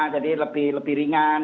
jadi lebih ringan